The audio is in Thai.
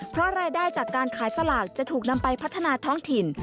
เพราะรายได้จากการขายสลากจะถูกนำไปพัฒนาท้องถิ่น